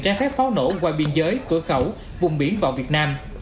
trái phép pháo nổ qua biên giới cửa khẩu vùng biển vào việt nam